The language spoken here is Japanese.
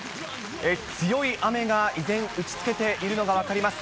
強い雨が依然、打ちつけているのが分かります。